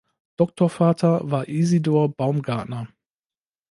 Doktorvater war Isidor Baumgartner.